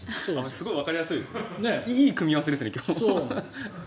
すごいわかりやすいですねいい組み合わせですね、今日。